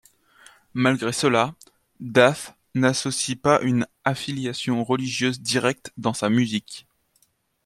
Malgré cela, Daath n'associe pas une affiliation religieuse directe dans sa musique.